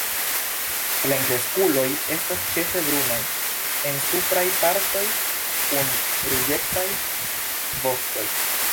Plenkreskuloj estas ĉefe brunaj en supraj partoj, kun ruĝecaj vostoj.